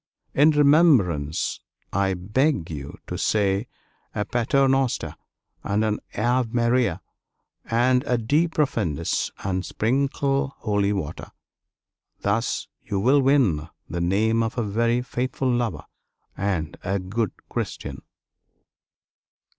In remembrance I beg you to say a paternoster and an Ave Maria and a de profundis, and sprinkle holy water. Thus you will win the name of a very faithful lover and a good Christian."